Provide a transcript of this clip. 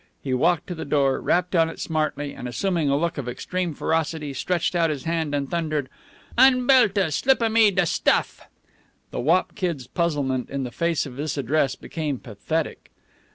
He walked to the door, rapped on it smartly, and, assuming a look of extreme ferocity, stretched out his hand and thundered: "Unbelt a! Slip a me da stuff!" The wop kid's puzzlement in the face of this address became pathetic.